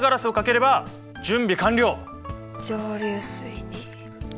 蒸留水に。